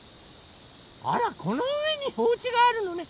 あらこのうえにおうちがあるのね。